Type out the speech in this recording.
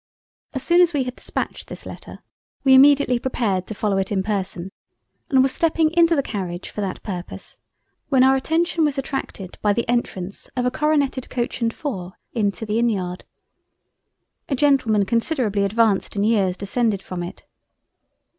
As soon as we had dispatched this Letter, we immediately prepared to follow it in person and were stepping into the Carriage for that Purpose when our attention was attracted by the Entrance of a coroneted Coach and 4 into the Inn yard. A Gentleman considerably advanced in years descended from it.